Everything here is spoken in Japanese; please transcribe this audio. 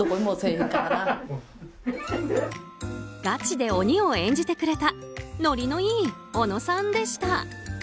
ガチで鬼を演じてくれたノリのいい尾野さんでした。